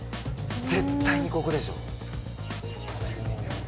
絶対にここでしょ。